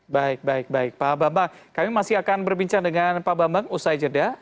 baik baik baik pak bambang kami masih akan berbincang dengan pak bambang usai jeda